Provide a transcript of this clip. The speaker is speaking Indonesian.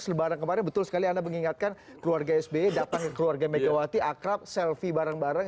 selebaran kemarin betul sekali anda mengingatkan keluarga sby datang ke keluarga megawati akrab selfie bareng bareng